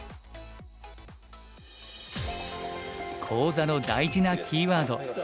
講座の大事なキーワード